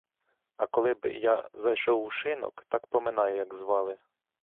А коли б я зайшов у шинок, так поминай як звали.